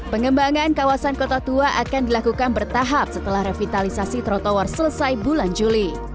pengembangan kawasan kota tua akan dilakukan bertahap setelah revitalisasi trotoar selesai bulan juli